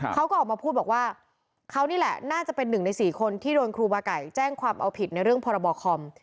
เขาก็ออกมาพูดบอกว่าเขานี่แหละน่าจะเป็นหนึ่งในสี่คนที่โดนครูบาไก่แจ้งความเอาผิดในเรื่องพรบคอม